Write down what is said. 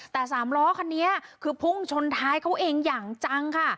แต่สามล้อคันนี้คือพุ่งชนท้ายเขาเองอย่างจังค่ะ